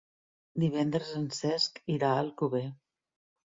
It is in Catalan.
Divendres en Cesc irà a Alcover.